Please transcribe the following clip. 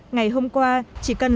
ngày hôm qua chỉ cần